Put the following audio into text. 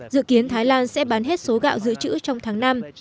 dự kiến thái lan sẽ bán hết số gạo giữ chữ trong tháng năm